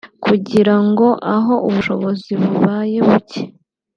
kugira ngo aho ubushobozi bubaye buke